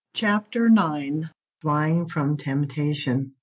*Chapter IX.* *FLYING FROM TEMPTATION.